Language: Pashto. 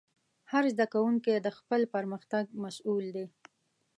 هر زده کوونکی د خپل پرمختګ مسؤل و.